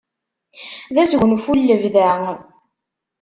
D asgunfu n lebda.